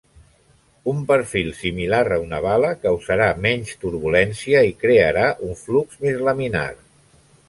Un perfil similar a una bala causarà menys turbulència i crearà un flux més laminar.